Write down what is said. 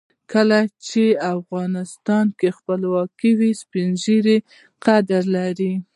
کله چې افغانستان کې ولسواکي وي سپین ږیري قدر لري.